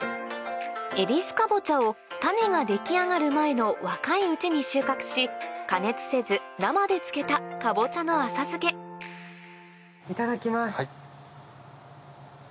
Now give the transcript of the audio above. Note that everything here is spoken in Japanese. えびすかぼちゃを種が出来上がる前の若いうちに収穫し加熱せず生で漬けたかぼちゃの浅漬けいただきます。